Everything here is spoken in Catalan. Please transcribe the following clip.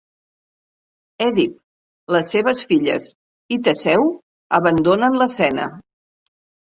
Èdip, les seves filles i Teseu abandonen l'escena.